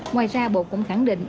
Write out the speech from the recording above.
ngoài ra bộ cũng khẳng định